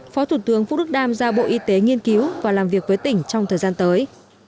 phó thủ tướng vũ đức đam giao bộ y tế nghiên cứu và làm việc với tỉnh trong thời gian tới